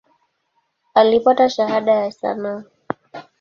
Alipata Shahada ya sanaa.